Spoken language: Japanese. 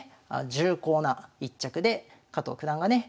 重厚な一着で加藤九段がね